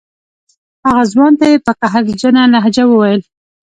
هغه ځوان ته یې په قهرجنه لهجه وویل.